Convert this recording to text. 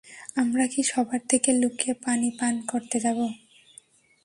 আমরা কি সবার থেকে লুকিয়ে পানি পান করতে যাব?